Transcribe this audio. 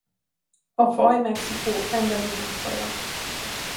A faj Mexikó endemikus faja.